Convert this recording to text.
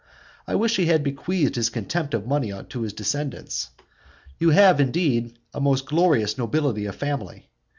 I wish he had bequeathed his contempt of money to his descendants! You have, indeed, a most glorious nobility of family!